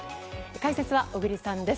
解説は小栗さんです。